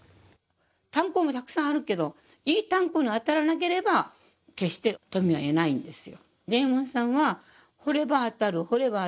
炭鉱もたくさんあるけどいい炭鉱に当たらなければ決して富は得ないんですよ。